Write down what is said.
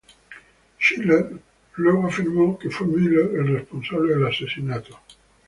Schiller luego afirmó que fue Müller el responsable del asesinato.